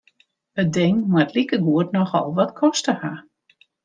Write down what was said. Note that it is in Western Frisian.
It ding moat likegoed nochal wat koste ha.